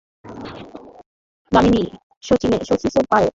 দামিনী শচীশের পায়ের কাছে মাটিতে মাথা ঠেকাইয়া অনেকক্ষণ ধরিয়া প্রণাম করিল।